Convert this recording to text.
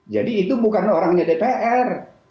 jadi itu bukan orangnya dpr